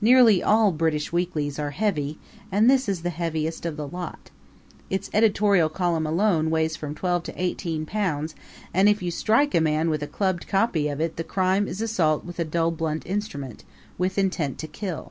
Nearly all British weeklies are heavy, and this is the heaviest of the lot. Its editorial column alone weighs from twelve to eighteen pounds, and if you strike a man with a clubbed copy of it the crime is assault with a dull blunt instrument, with intent to kill.